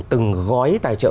từng gói tài trợ